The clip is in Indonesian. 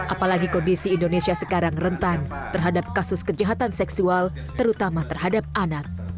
apalagi kondisi indonesia sekarang rentan terhadap kasus kejahatan seksual terutama terhadap anak